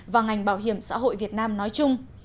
và ngành bảo hiểm xã hội việt nam nói chung